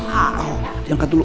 kau diangkat dulu